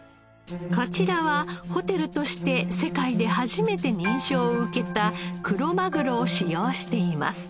こちらはホテルとして世界で初めて認証を受けたクロマグロを使用しています。